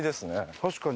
確かに。